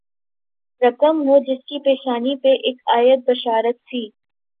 رقم ہو جس کی پیشانی پہ اک آیت بشارت سی